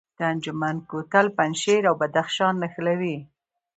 د انجمین کوتل پنجشیر او بدخشان نښلوي